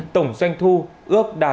tổng doanh thu ước đạt một trăm một mươi